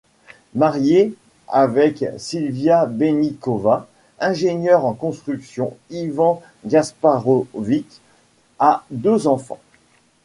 Marié avec Silvia Beníková, ingénieur en construction, Ivan Gašparovič a deux enfants.